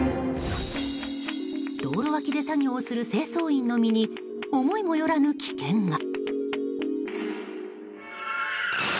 道路脇で作業をする清掃員の身に思いもよらぬ危険が。